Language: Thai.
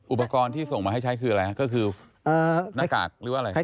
อุปกรณ์ที่ส่งมาให้ใช้คืออะไรนากาศหรือว่าอะไร